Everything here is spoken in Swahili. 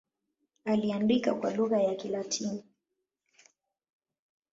Aliandika kwa lugha ya Kilatini.